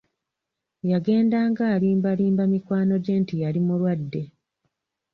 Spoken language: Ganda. Yagendanga alimbalimba mikwano gye nti yali mulwadde!